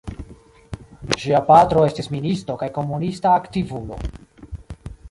Ŝia patro estis ministo kaj komunista aktivulo.